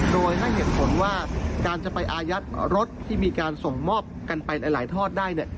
โดยให้เหตุผลว่าการจะไปอายัดรถที่มีการส่งมอบกันไปหลายทอดได้